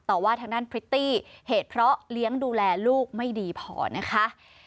ว่าทางด้านพริตตี้เหตุเพราะเลี้ยงดูแลลูกไม่ดีพอนะคะ